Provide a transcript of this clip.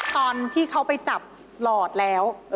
ตอนที่เขาไปจับหลอดแล้ว